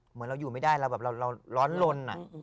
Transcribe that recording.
เหมือนเราอยู่ไม่ได้เราแบบเราร้อนลน